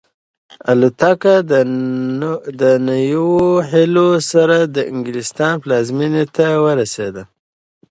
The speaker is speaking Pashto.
الوتکه د نویو هیلو سره د انګلستان پلازمینې ته ورسېده.